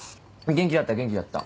元気だった元気だった。